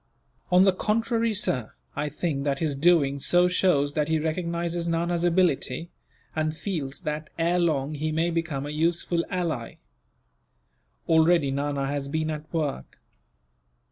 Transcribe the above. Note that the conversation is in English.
"On the contrary, sir, I think that his doing so shows that he recognizes Nana's ability; and feels that, ere long, he may become a useful ally. Already Nana has been at work.